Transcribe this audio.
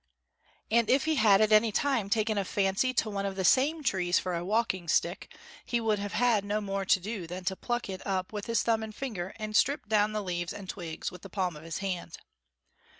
And if he had at any time taken a fancy to one of the same trees for a walking stick, he would have had no more to do than to pluck it up with his thumb and finger and strip down the leaves and twigs with the palm of his hand.